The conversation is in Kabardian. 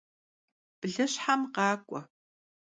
Blışhem khak'ue!